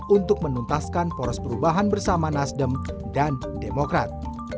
untuk menuntaskan poros perubahan bersama nasdem dan demokrat